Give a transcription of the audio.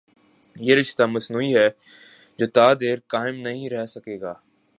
یہ رشتہ مصنوعی ہے جو تا دیر قائم نہیں رہ سکے گا۔